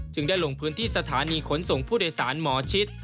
ได้ลงพื้นที่สถานีขนส่งผู้โดยสารหมอชิด